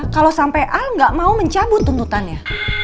kalau sampai al nggak mau mencabut tuntutannya